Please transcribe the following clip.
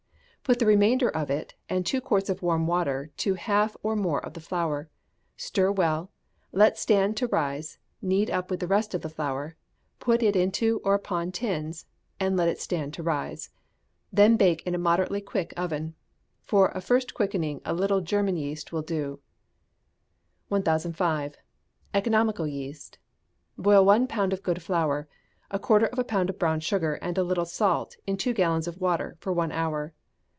Put the remainder of it, and two quarts of warm water, to half or more of the flour; stir well, let it stand to rise, knead up with the rest of the flour, put it into or upon tins, and let it stand to rise. Then bake in a moderately quick oven. For a first quickening a little German yeast will do. 1005. Economical Yeast. Boil one pound of good flour, a quarter of a pound of brown sugar, and a little salt, in two gallons of water, for one hour.